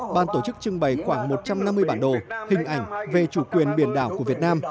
ban tổ chức trưng bày khoảng một trăm năm mươi bản đồ hình ảnh về chủ quyền biển đảo của việt nam